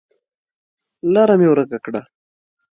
لاره مې ورکه کړه